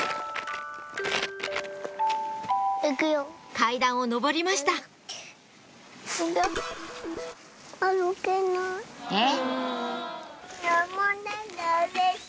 階段を上りましたえっ？